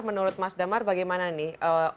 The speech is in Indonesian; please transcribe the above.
menurut mas damar bagaimana nih